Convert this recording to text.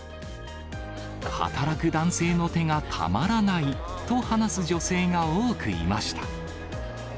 働く男性の手がたまらないと話す女性が多くいました。